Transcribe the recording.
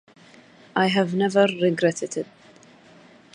I have never regretted it.